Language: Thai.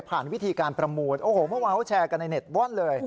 ผ่านวิธีการประมูลโอ้โหแชร์กันในเน็ตบ้อนเลย